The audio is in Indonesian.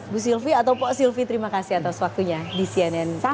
bu sylvie atau pak sylvie terima kasih atas waktunya di cnn indonesia